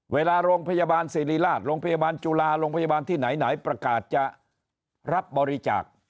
เวลาโรงพยาบาลสิริราชโรงพยาบาลจุฬาโรงพยาบาลที่ไหนประกาศจะรับบริจาค